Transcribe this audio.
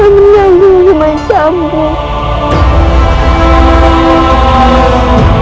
menyambung juman campur